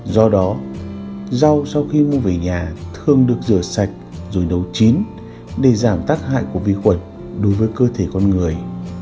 do đó rau sau khi mua về nhà thường được rửa sạch rồi nấu chín để giảm tác hại của vi khuẩn đối với cơ thể con người